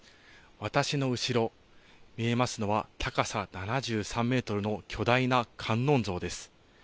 私の後ろ、見えますのは、高さ７３メートルの巨大な観音像です。